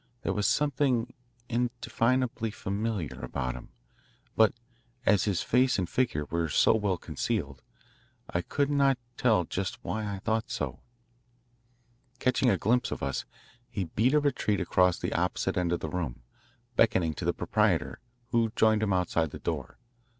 There was something indefinably familiar about him, but as his face and figure were so well concealed, I could not tell just why I thought so. Catching a glimpse of us, he beat a retreat across the opposite end of the room, beckoning to the proprietor, who joined him outside the door.